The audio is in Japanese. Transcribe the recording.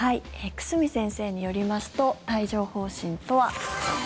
久住先生によりますと帯状疱疹とは。